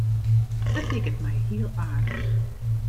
It liket my hiel aardich.